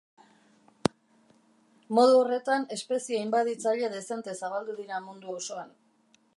Modu horretan espezie inbaditzaile dezente zabaldu dira mundu osoan.